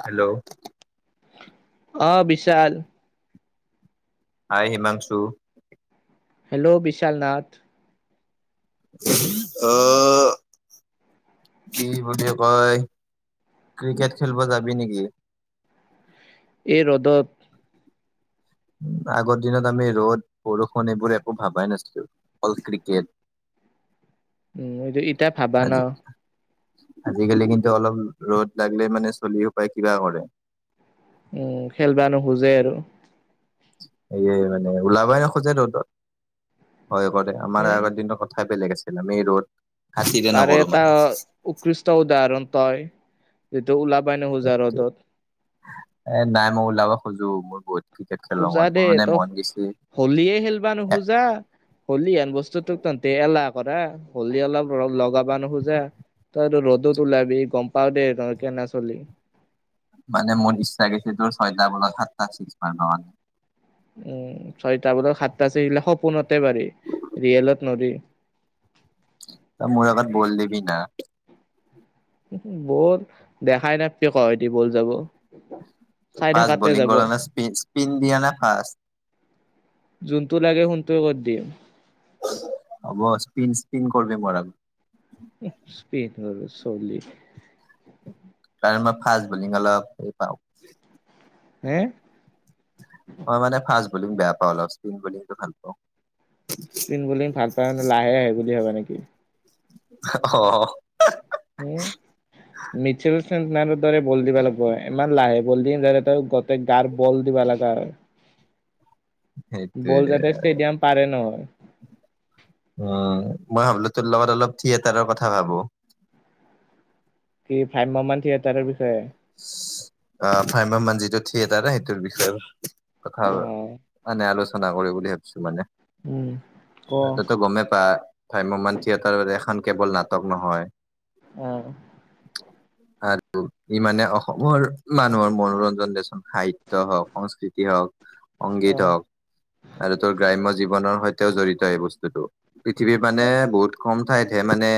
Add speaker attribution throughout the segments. Speaker 1: Hello
Speaker 2: অ বিশাল।
Speaker 1: আই Himanshu.
Speaker 2: Hello বিশাল নাথ।
Speaker 1: অ। কি বুলি কয়, ক্ৰিকেট খেলিব যাবি নেকি?
Speaker 2: এই ৰ'দত।
Speaker 1: আগৰ দিনত আমি ৰ'দ বৰষুণ এইবোৰ একো ভাবাই অল ক্ৰিকেট। [unintelligible]
Speaker 2: উম, ইতিয়া ভাবা ন?
Speaker 1: আজি আজিকালি কিন্তু অলপ ৰ'দ লাগিলে মানে চলি সোপায় কিবা কৰে।
Speaker 2: উম, খেলব নোখোজে আৰু।
Speaker 1: হয়, মানে ওলাবাই নখোজে ৰ'দত ভয় কৰে। আমাৰ
Speaker 2: সেই
Speaker 1: আগৰ দিনৰ কথাই বেলেগ আছিল। আমি ৰ'দ খাতিৰে
Speaker 2: তাৰে
Speaker 1: নকৰো
Speaker 2: এটা
Speaker 1: মানে
Speaker 2: উৎকৃষ্ট উদাহৰণ তই, যিটো ওলাবাই নখোজা ৰ'দত।
Speaker 1: এ নাই মই ওলাব খোজো মোৰ বহুত ক্ৰিকেট খেলো মন। মোৰ মানে মন গৈছে
Speaker 2: হ'লিয়ে খেলিবা নোখোজা। হ'লিহেন বস্তু তোক তহতে এলাহ কৰা, হ'লি অলপ লগাব নোখোজে। তই ৰ'দত ওলাবি? গ'ম পাওঁ দে তই কেনে চলি।
Speaker 1: মানে মোৰ ইচ্ছা গৈছে তোৰ ছয়টা বলত সাতটা চিক্স মাৰব মানে।
Speaker 2: উম, ছয়টা বজাত সাতটা ছিক্স আহিলে সপোনতে পাৰি ৰিয়েলত নৰি।
Speaker 1: তই মোৰ আগত বল দিবিনা।
Speaker 2: বল দেখাই নাপবি কোহে দি বল যাব। চাই
Speaker 1: ফাষ্ট
Speaker 2: থাকাতে
Speaker 1: বলিং
Speaker 2: যাব
Speaker 1: কৰা না, স্পি স্পিন দিয়া নে ফাষ্ট?
Speaker 2: যোনটো লাগে সোনটোৱে কৰি দিম।
Speaker 1: হ'ব স্পিন স্পিন কৰবি মোৰ আগত।
Speaker 2: স্পেইন কৰিব চলি।
Speaker 1: কাৰণ মই ফাষ্ট বলিং অলপ হেৰি পাওঁ।
Speaker 2: হে'?
Speaker 1: মই মানে ফাষ্ট বলিং বেয়া পাওঁ অলপ স্পিন বলিংটো ভাল পাওঁ।
Speaker 2: স্পিন বুলিং ভাল পায় মানে লাহে আহে বুলি ভাবা নেকি?
Speaker 1: অ'
Speaker 2: উম, মিটচেলৰ দৰে বল দিবা লাগিব, ইমান লাহে বল দিম যাতে তই তে গাৰ বল দিবা লগা হয়।
Speaker 1: [unintelligible] সেইটোয়ে
Speaker 2: বল যাতে ষ্টেডিয়াম পাৰে নহয়।
Speaker 1: উম, মই ভাবিলো তোৰ লগত অলপ থিয়েটাৰৰ কথা ভাবো।
Speaker 2: কি ভাম্যমান থিয়েটাৰৰ বিষয়ে?
Speaker 1: অ', ভাম্যমান যিটো থিয়েতাৰ ন সেইটোৰ বিষয়ে কথা
Speaker 2: অ'
Speaker 1: মানে আলোচনা কৰি বুলি ভাবিছো মানে,
Speaker 2: উম ক
Speaker 1: ত তইটো গ'মেই পাই। ভাম্যমান থিয়েটাৰ এখন কেৱল নাটক নহয়।
Speaker 2: অ'।
Speaker 1: আৰু ই মানে অসমৰ মানুহৰ মনোৰঞ্জন দেচোন। সাহিত্য হওঁক সংস্কৃতি হওঁক সংগীত
Speaker 2: অ'
Speaker 1: হওঁক আৰু তোৰ গ্ৰাম্য জীৱনৰ সৈতেও জড়িত এই বস্তুতটো। পৃথিৱীৰ মানে বহুত কম ঠাইতহে মানে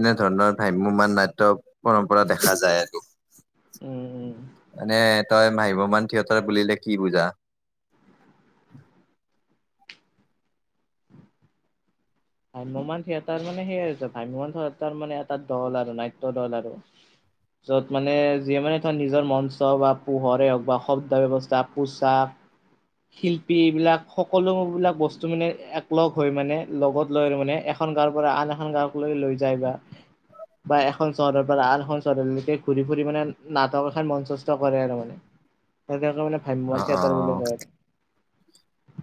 Speaker 1: এনেধৰণৰ ভ্ৰাম্যমাণ নাট্য পৰম্পৰা দেখা যায় এইটো।
Speaker 2: উম।
Speaker 1: মানে তই ভাম্যমান থিয়েটাৰ বুলিলে কি বুজা?
Speaker 2: ভাম্যমান থিয়েটাৰ মানে সেইয়ে হৈছে ভাম্যমান থিয়েটাৰ মানে এটা দল আৰু নাট্য দল আৰু। য'ত মানে যিয়ে মানে ধৰ নিজৰ মঞ্চ বা পোহৰে হওক বা শব্দ ব্যৱস্থা পোচাক শিল্প, এইবিলাক সকলোবিলাক বস্তু মানে এক লগ হৈ মানে, লগত লৈ মানে এখন গাঁৱৰ পৰা আন এখন গাঁওক লৈ যায়। বা বা এখন চহৰৰ পৰা আন এখন চহৰলৈকে ঘূৰি ফুৰি মানে নাটক এখন মঞ্চস্থ কৰে আৰু মানে। সেইকাৰণে মানে
Speaker 1: অ
Speaker 2: ভ্ৰাম্যমান
Speaker 1: অ।
Speaker 2: থিয়েটাৰ বুলি কয়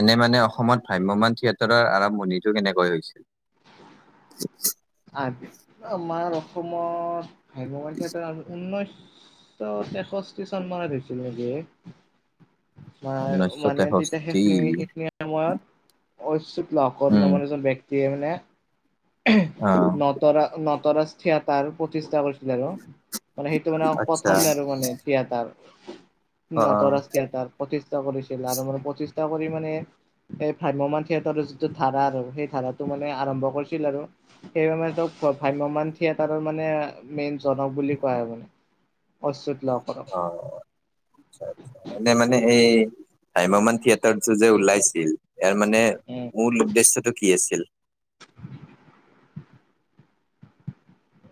Speaker 1: এনে মানে অসমত ভ্ৰাম্যমান থিয়েটাৰৰ আৰম্ভণিটো কেনেকৈ হৈছিল? [unintelligible]
Speaker 2: আ আমাৰ অসমত ভাগ্যৱান উ ঊনৈছ তেষষ্ঠি চনমানত হৈছিল নেকি। অ
Speaker 1: ঊনৈছশ
Speaker 2: মানে তেতিয়া
Speaker 1: তেষষ্ঠি
Speaker 2: সেইখিনি সেইখিনি সময়ত ঐচুত লকৰ
Speaker 1: উম
Speaker 2: নামৰ এজন ব্যক্তিয়ে মানে
Speaker 1: অ।
Speaker 2: নতৰা নটৰাজ থিয়াতাৰ প্ৰতিষ্ঠা আছিল আৰু, মানে সেইটো মানে
Speaker 1: আচ্ছা
Speaker 2: প্ৰথম আৰু মানে থিয়াতৰ।
Speaker 1: অ অ
Speaker 2: নটৰাজ থিয়াতাৰ প্ৰতিষ্ঠা কৰিছিল আৰু মানে প্ৰতিষ্ঠা কৰি মানে এই ভাম্যমান থিয়েটাৰৰ যিটো ধাৰা আৰু সেই ধাৰাটো মানে আৰম্ভ কৰিছিল আৰু। সেই মানে ত ভ্ৰাম্যমান থিয়েটাৰৰ মানে মেইন জনক বুলি কোৱা হয় মানে। ঐশত লহকৰক।
Speaker 1: অ এনে মানে এই ভাম্যমান থিয়েটাৰটো যে ওলাইছিল ইয়াৰ মানে
Speaker 2: উ।
Speaker 1: মূল্য উদ্দেশ্য কি আছিল?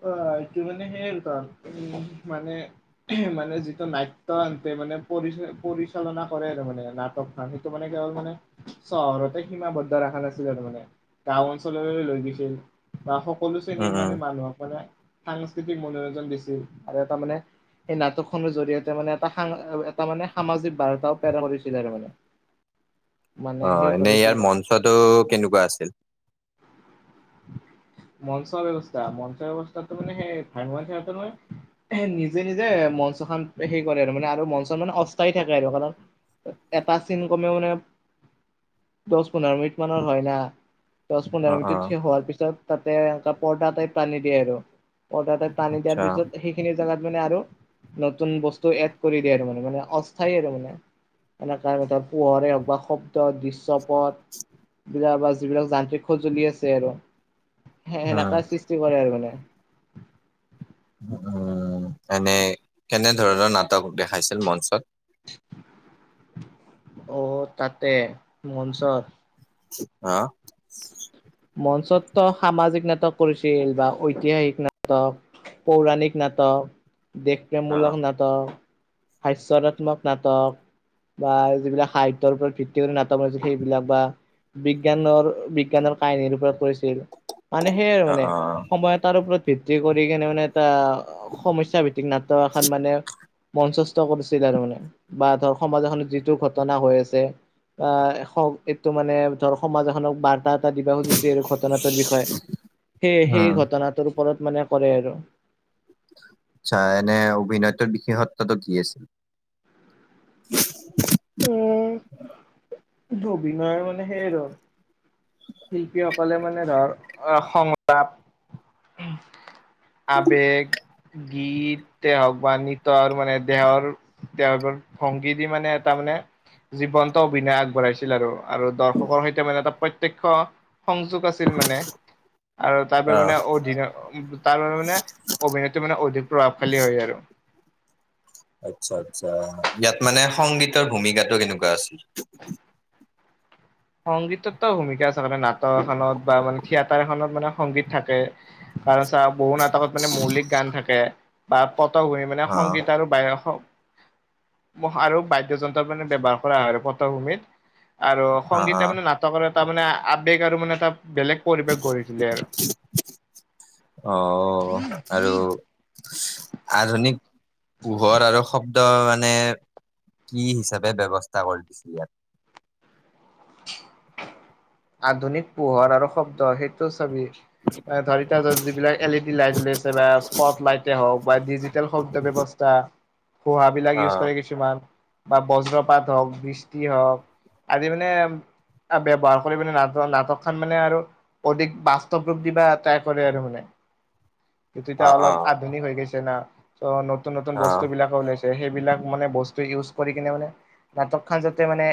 Speaker 2: অ এইটো মানে সেই তোৰ, উম মানে মানে নাট্য আনছে মানে পৰিচ পৰিচালনা কৰে আৰু মানে নাটক সেইটো মানে কেৱল মানে চহৰতে সীমাবদ্ধ ৰাখা নাছিলে আৰু মানে। গাওঁ অঞ্চললৈ লৈ গৈছিল বা সকলো
Speaker 1: উম
Speaker 2: শ্ৰেণীৰ
Speaker 1: উম।
Speaker 2: মানে মানুহক মানে সাংস্কৃতিক মনোৰঞ্জন দিছিল আৰু এটা মানে সেই নাটক খনৰ জৰিয়তে মানে এটা এটা মানে সামাজিক বাৰ্তাও পেৰা কৰিছিলে আৰু মানে। মানে
Speaker 1: অ
Speaker 2: সেই
Speaker 1: এনেই
Speaker 2: কৰিছিল
Speaker 1: ইয়াৰ মঞ্চটো কেনেকুৱা আছিল?
Speaker 2: মঞ্চৰ ব্যৱস্থা ম ব্যৱস্থাতটো মানে সেই ভাম্য নিজে নিজে মঞ্চখন হে কৰে আৰু, মানে আৰু মঞ্চ মানে অস্থায়ী থাকে আৰু কাৰণ এটা চিন কমেও মানে দহ-পোন্ধৰ মিনিট মানৰ হয় না, দহ-পোন্ধৰ
Speaker 1: অ'
Speaker 2: মিনিট
Speaker 1: অ'
Speaker 2: থিও হোৱাৰ পিছত তাতে এনে পৰ্দা টাই টানী দিয়ে আৰু। পৰ্ডা টাইপ টানি দিয়াৰ
Speaker 1: আচ্ছা।
Speaker 2: পিছত সেই সেইখিনি জোগাত মানে আৰু নতুন বস্তু এড কৰি দিয়ে আৰু মানে মানে অস্থায়ী আৰু মানে। এনেকাণতে হওঁক পোহৰে হওক বা শব্দ দৃশ্যপথ বিলাক বা যিবিলাক যান্ত্ৰিক সঁজুলি আছে আৰু সেনেকা
Speaker 1: উম,
Speaker 2: সৃষ্টি কৰে আৰু মানে।
Speaker 1: উম এনে কেনে ধৰণৰ নাটক দেখাইছিল মঞ্চত?
Speaker 2: অ তাতে, মনঞ্চত?
Speaker 1: অ।
Speaker 2: মঞ্চততো সামাজিক নাটক কৰিছিলোঁ বা ঐতিহাসিক নাটক পৌৰাণিক নাটক,
Speaker 1: অ'
Speaker 2: দেশপ্ৰেমমূলক না টক, হাস্যৰাত্মক নাটক, বা যিবিলাক সাহিত্যৰ ওপৰত ভিত্তি কৰি নাটক ৰছে সেইবিলাক বা বিজ্ঞানৰ-বিজ্ঞানৰ কাহিনীৰ ওপৰত কৰিছিল, মানে সেইয়ে আৰু
Speaker 1: অ'
Speaker 2: মানে,
Speaker 1: অ'
Speaker 2: সময় এটাৰ ওপৰত ভিত্তি কৰি কেনে মানে এটা সমস্যা ভিত্তিক নাটক এখন মানে মঞ্চস্থ কৰিছিল আৰু মানে, বা ধৰ সমাজ এখনত যিটো ঘটনা হৈ আছে আ এখন এইটো মানে ধৰ সমাজ এখনক বাৰ্তাত কিবা সুধিছিল ঘটনাটোৰ বিষয়ে, সেয়ে
Speaker 1: উম,
Speaker 2: সেই ঘটনাটোৰ ওপৰত মানে কৰে আৰু।
Speaker 1: আচ্ছা, এনে অভিনয়টোৰ বিশেষত্বটো কি আছিল? [inaudible]
Speaker 2: এইটো অভিনয় মানে সেই আৰু শিল্পীসকলে মানে ধৰ, অ সংলাপ আৱেগ, গীতেই হওঁক বা নৃত্যৰ মানে দেহৰ তেওঁৰ ভংগী দি মানে এটা মানে জীৱন্ত অভিনয় আগবঢ়াইছিল আৰু। আৰু দৰ্শকৰ সৈতে মানে এটা প্ৰত্যক্ষ সংযোগ আছ ছিল মানে আৰু তাৰপৰা
Speaker 1: অ'
Speaker 2: মানে অধীনৰ তাৰ বাবে মানে অভিনয়টো মানে অধিক প্ৰভাৱশালী হয় আৰু।
Speaker 1: আচ্ছা আচ্ছা, ইয়াত মানে সংগীতৰ ভূমিকাটো কেনেকুৱা আছিল?
Speaker 2: সংগীতৰতো ভূমিকা আছে, কাৰণ নাটক এখনত বা মানে থিয়েটাৰ এখনত মানে সংগীত থাকে। কাৰণ চা বহু নাটকত মানে মৌলিক গান থাকে। বা পটভূমি মানে
Speaker 1: অ'
Speaker 2: সংগীত আৰু বায় আৰু বাদ্যযন্ত্ৰ মানে ব্যৱহাৰ কৰা হয় পটভূমিত, আৰু
Speaker 1: অ'
Speaker 2: সংগীতে
Speaker 1: অ'
Speaker 2: মানে নাট এটা তাৰমানে আৱেগ আৰু মানে তাত বেলেগ পৰিৱেশ গঢ়ি তোলে আৰু।
Speaker 1: অ' আৰু আধুনিক পোহৰ আৰু শব্ ব্দ মানে কি হিচাপে ব্যৱস্থা কৰি দিছিল ইয়াত?
Speaker 2: আধুনিক পোহৰ আৰু শব্দ, সেইটো চাবি ধৰ এতিয়া তই, যিবিলাক এল ই ডি লাইট উলিয়াইছে বা স্পট লাইটেই হওঁক বা ডিজিটেল শব্দ ব্যৱস্থা পোহা বিলাক ইউজ
Speaker 1: অ',
Speaker 2: কৰে কিছুমান। বা ব্ৰজপাত হওঁক, বৃষ্টি হওঁক, আজি মানে ব্যৱহাৰ কৰি পিনে নাট-নাটকখন মানে আৰু অধিক বাস্তৱ ৰূপ দিবা ট্ৰাই কৰে আৰু মানে।
Speaker 1: [inaudible]
Speaker 2: যেতিয়া অলপ
Speaker 1: অ',
Speaker 2: আধুনিক হৈ গৈছে না, ত' নতুন নতুন বস্তু
Speaker 1: অ'।
Speaker 2: বিলাকো ওলাইছে সেইবিলাক মানে বস্তু ইউজ কৰি কিনে মানে নাটকখন যাতে মানে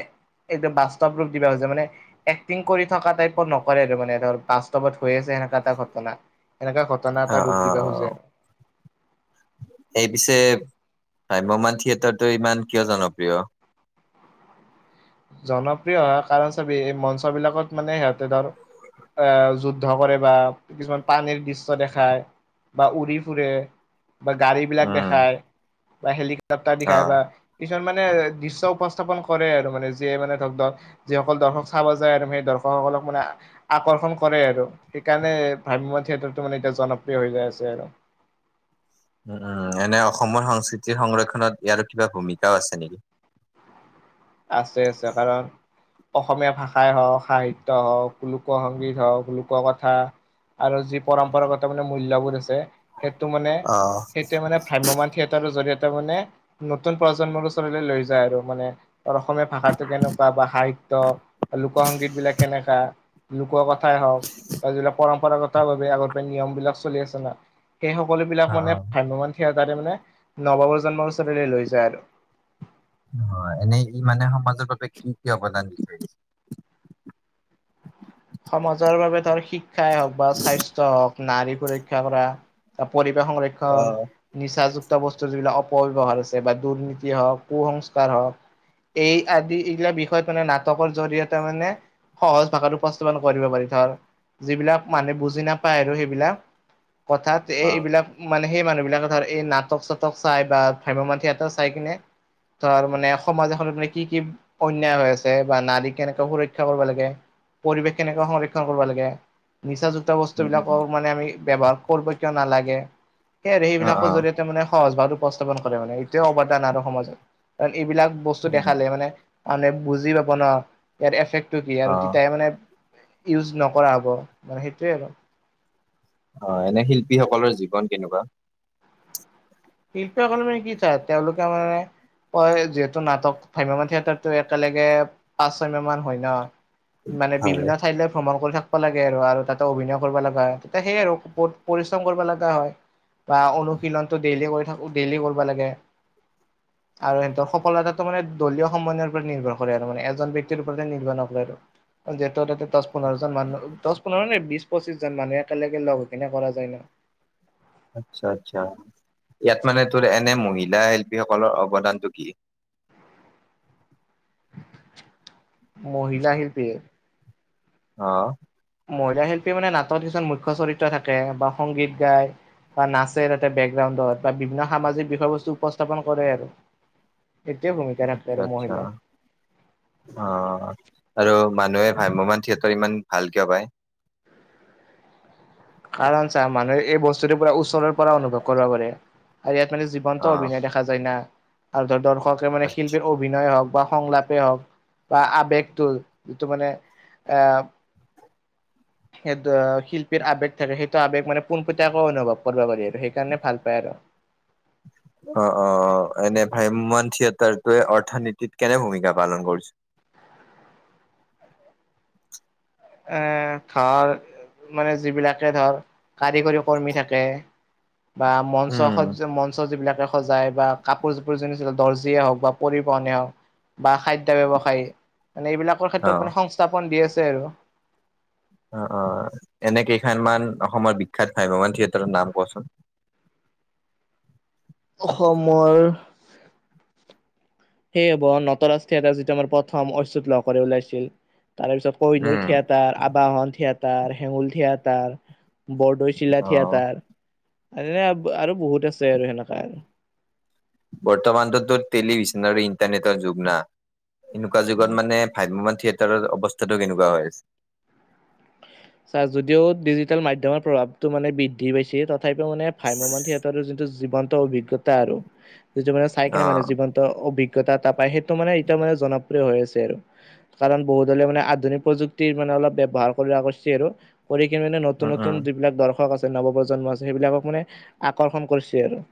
Speaker 2: একদম বাস্তৱ ৰূপ দিবা খুঁজে, মানে এক্টিং কৰি থকা টাইপৰ নকৰে আৰু মানে, ধৰ বাস্তৱত হৈ আছে সেনেকুৱা এটা ঘটনা। এনেকুৱা ঘটনা এটা
Speaker 1: অ',
Speaker 2: ৰূপ
Speaker 1: অ',
Speaker 2: দিব
Speaker 1: অ',
Speaker 2: খুঁজে।
Speaker 1: এই পিছে, ভ্ৰাম্যমান থিয়েটাৰটো ইমান কিয় জনপ্ৰিয়?
Speaker 2: জনপ্ৰিয় হোৱাৰ কাৰণ চাবি, এই মঞ্চ বিলাকত মানে সিহঁতে ধৰ আ যুদ্ধ কৰে বা কিছুমান পানীৰ দৃশ্য দেখায় বা উৰি ফুৰে বা গাড়ী বিলাক
Speaker 1: উম,
Speaker 2: দেখায় বা হেলিকপ্তাৰ দেখায়
Speaker 1: অ'।
Speaker 2: বা কিছুমান মানে দৃশ্য উপস্থাপন কৰে আৰু মানে যিয়ে মানে ধৰক-ধৰ, যিসকল দৰ্শক চাব যায় আৰু সেই দৰ্শকসকলক মানে আকৰ্ষণ কৰে আৰু, সেইকাৰণে ভ্ৰাম্যমাণ থিয়েটাৰটো মানে এতিয়া জনপ্ৰিয় হৈ গৈ আছে আৰু।
Speaker 1: উম উম, এনে অসমৰ সংস্কৃতিৰ সংৰক্ষণত ইয়াৰ কিবা ভূমিকাও আছে নেকি?
Speaker 2: আছে আছে, কাৰণ অসমীয়া ভাষাই হওঁক, সাহিত্য হওঁক, লোক সংগীত হওঁক, লোক কথা আৰু যি পৰম্পৰাগত মানে মূল্যবোধ আছে, সেইটো মানে
Speaker 1: অ',
Speaker 2: সেইটোৱে মানে ভ্ৰাম্যমান থিয়ে তাৰ জৰিয়তে মানে, নতুন প্ৰজন্মৰ ওচৰলৈ লৈ যায় আৰু মানে। অসমীয়া ভাষাটো কেনেকুৱা বা সাহিত্য, লোক সংগীত বিলাক কেনেকুৱা লোক কথা [unintelligible] হওক। তাৰ যিবিলাক পৰম্পৰাগত ভাবে আগতে নিয়ম বিলাক চলি আছে না। সেই সকলো বিলাক মানে
Speaker 1: অ',
Speaker 2: ভ্ৰাম্য মান থিয়েটাৰে মানে নৱ প্ৰজন্মৰ ওচৰলৈ লৈ যায় আৰু।
Speaker 1: হয়। এনেই ই' মানে সমাজৰ বাবে কি কি অৱদান দি থৈ? [unintelligible]
Speaker 2: সমাজৰ বাবে ধৰ শিক্ষাই হওক বা স্বাস্থ্য হওঁক, নাৰী সুৰক্ষা কৰা, পৰিৱেশ সংৰক্ষণ।
Speaker 1: অ'।
Speaker 2: নিচাযুক্ত বস্তুৰ যিবিলাক অপব্যৱহাৰ হৈছে বা দুৰ্নীতি হওক, কুসংস্কাৰ হওক। এই আদি এইগিলা বিষয়ত মানে নাটকৰ জৰিয়তে মানে, সহজ ভাষাটো উপস্থাবন কৰিব পাৰি ধৰ, যিবিলাক মানে বুজি নাপায় আৰু সেইবিলাক। কথাত এ
Speaker 1: অ',
Speaker 2: এইবিলাক মানে সেই মানুহ বিলাক [unintelligible] এই নাটক চাটক চাই বা ভ্ৰাম্যমাণ থিয়েটাৰ চাই কিনে তাৰ মানে সমাজ এখনত মানে কি কি অন্যায় হৈ আছে বা নাৰীক কেনেকে সুৰক্ষা কৰিব লাগে, পৰিৱেশ কেনেকে সংৰক্ষণ কৰিব লাগে, নিচাযুক্ত
Speaker 1: উম, উম,
Speaker 2: বস্তুবিলাকও মানে আমি ব্যৱহাৰ কৰ্ব কিয় নালাগে, সেই আৰু
Speaker 1: অ',
Speaker 2: সেইবিলাক
Speaker 1: অ',
Speaker 2: জৰিয় মানে সহজ ভাৱ উপস্থাপন কৰে মানে, এইটোৱে অৱদান আৰু সমাজত কাৰণ এইবিলাক বস্তু
Speaker 1: উম,
Speaker 2: দেখালে মানে মানে বুজি পাব ন' ইয়াৰ এফেক্টটো কি আৰু
Speaker 1: অ',
Speaker 2: তেতিয়া হে মানে ইউজ নকৰা হ'ব, মানে সেইটোৱে আৰু।
Speaker 1: হয়, এনে শিল্পীসকলৰ জীৱন কেনেকুৱা?
Speaker 2: শিল্পীসকলে মানে কি? চা, তেওঁলোকে মানে হয়, যিহেতু নাটক ভ্ৰাম্যমান থিয়েটাৰটো একেলগে পাঁচ ছয় মাহ মান হয় ন'। মানে
Speaker 1: হয়,
Speaker 2: বিভিন্ন ঠাইলৈ ভ্ৰমণ কৰি থাক লাগে আৰু আৰু তাতো অভিনয় কৰিব লগা হয়। তেতিয়া সেই আৰু পৰিশ্ৰম কৰিব লাগা হয়। বা অনুশীলনটো ডেইলি কৰি থাকো ডেইলি কৰিব লাগে।
Speaker 1: [inaudible]
Speaker 2: আৰু সিহঁত সফলতাটো মানে দলীয় সমন্বয়ৰ ওপৰত নিভৰ কৰে আৰু মানে, এজন ব্যক্তিৰ ওপৰতে নিৰ্ভৰ নকৰে ত'। যিহেতু তাতে দচ, পোন্ধৰ জন মানুহ দহ পোন্ধৰ [unintelligible] বিশ পঁচিশজন মানুহ, একেলগে লগ হৈ কেনে কৰা যায় ন'।
Speaker 1: আচ্ছা আচ্ছা। ইয়াত মানে তোৰ এনে মহিলা শিল্পীসকলৰ অৱদানটো কি?
Speaker 2: মহিলা শিল্পী?
Speaker 1: অ'।
Speaker 2: মহিলা শিল্পী মানে, নাটত কিছুমান মুখ্য চৰিত্ৰ থাকে বা সংগীত গায়। বা নাচে তাতে বেকগ্ৰাউণ্ডত, বা বিভিন্ন সামাজিক বিষয় বস্তু উপস্থাপন কৰে আৰু। সেইটোৱে ভূমিকা থাকে
Speaker 1: আচ্ছা,
Speaker 2: আৰু
Speaker 1: আচ্ছা।
Speaker 2: মহিলা।
Speaker 1: অ', আৰু মানুহে ভ্ৰাম্যমাণ থিয়েটাৰ ইমান ভাল কিয় পাই?
Speaker 2: কাৰণ চা মানুহে এই বস্তুটোৰ পুৰা ওচৰৰ পৰা অনুভৱ কৰিব পাৰে, আৰু ইয়াত মানে জীৱনটো
Speaker 1: অ'।
Speaker 2: অভিনয় দেখা দেখা যায় না আৰু ধৰ দৰ্শকে মানে শিল্পীৰ অভিনয় হওক বা সংলাপেই হওক বা আবেগটো, যিটো মানে এ' সেইতো শিল্পীৰ আৱেগ থাকে, সেইটো আৱেগ মানে পোনপোটিয়াকৈ আাকৌ অনুভৱ কৰিব পাৰি আৰু সেইকাৰণে ভাল পায় আৰু।
Speaker 1: অ', অ', অ', এনে ভ্ৰাম্যমাণ থিয়েটাৰটোৱে অৰ্থনীতিত কেনে ভূমিকা পালন কৰিছে?
Speaker 2: এ' ধৰ মানে যিবিলাকে ধৰ, কাৰিকৰী কৰ্মী থাকে। বা মঞ্চ
Speaker 1: উম,
Speaker 2: খজ্য মঞ্চ যিবিলাকে সজাই বা কাপোৰ-জাপোৰ [unintelligible] দৰ্জিয়ে হওক বা পৰিবহনে হওক বা খাদ্ ব্যৱসায়ী মানে এইবিলাকৰ ক্ষেত্ৰত
Speaker 1: অ',
Speaker 2: মানে সংস্থাপন দি আছে আৰু।
Speaker 1: অ', অ', এনে কেইখমান অসমৰ বিখ্যাত ভ্ৰাম্যমাণ থিয়েটাৰ নাম কোৱাছোন?
Speaker 2: অসমৰ সেইয়ে হ'ব নটৰাজ থিয়েটাৰ যিটো আমাৰ প্ৰথম অচ্যুত লহ কৰে ওলাইছিল, তাৰেপিছত কহিনুৰ
Speaker 1: উম,
Speaker 2: theatre Abahan theatre, Hengul theatre, Bordoisila
Speaker 1: অ',
Speaker 2: থিয়েটাৰ। আৰু নে আৰু বহুত আছে আৰু সেনেকা আৰু।
Speaker 1: বৰ্তমানটো তোৰ টেলিভিছন আৰু ইণ্টাৰনেটৰ যুগ না। এনেকুৱা যুগত মানে ভ্ৰাম্যমান থিয়েটাৰৰ অৱস্থাতটো কেনেকুৱা হৈ আছে!
Speaker 2: চা যদিও ডিজিটেল মাধ্যমৰ প্ৰভাৱটো মানে বৃদ্ধি পাইছে তথাপিও মানে ভ্ৰাম্যমান - যিটো জীৱন্ত অভিজ্ঞতা আৰু যিটো মানে চাই কিনে মানে
Speaker 1: অ',
Speaker 2: জীৱ- অভিজ্ঞতা এটা পায়, সেইটো মানে এতিয়া মানে জনপ্ৰিয় হৈ আছে আৰু। কাৰণ বহুত হলে মানে আধুনিক প্ৰযুক্তিৰ মানে অলপ ব্যৱহাৰ- সেইবিলাক কৰিছে আৰু। কৰি কিনে মানে
Speaker 1: উম,
Speaker 2: নতুন
Speaker 1: উম।
Speaker 2: নতুন যিবিলাক দৰ্শক আছে- নৱপ্ৰজন্ম আছে সেইবিলাকক মানে আকৰ্ষণ কৰিছে আৰু।